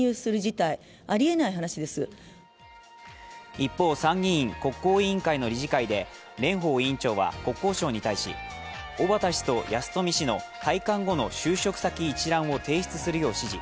一方、参議院国交委員会の理事会で蓮舫委員長は国交省に対し、小幡氏と安富氏の退官後の就職先一覧を提出するよう指示。